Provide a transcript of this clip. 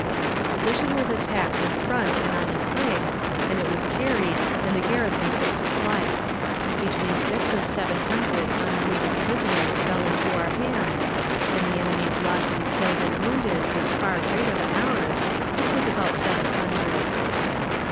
The position was attacked in front and on the flank, and it was carried and the garrison put to flight. Between six and seven hundred unwounded prisoners fell into our hands, and the enemy's loss in killed and wounded was far greater than ours, which was about seven hundred.